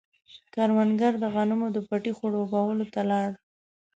کروندګر د غنمو د پټي خړوبولو ته لاړ.